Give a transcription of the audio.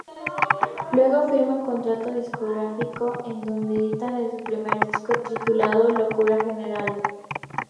Luego firman contrato discográfico, en donde editan su primer disco titulado "Locura General".